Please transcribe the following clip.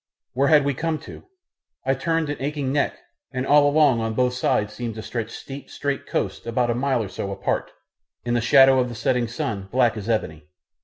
Where had we come to? I turned an aching neck, and all along on both sides seemed to stretch steep, straight coasts about a mile or so apart, in the shadow of the setting sun black as ebony.